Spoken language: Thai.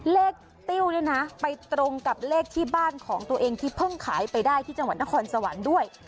ติ้วเนี่ยนะไปตรงกับเลขที่บ้านของตัวเองที่เพิ่งขายไปได้ที่จังหวัดนครสวรรค์ด้วย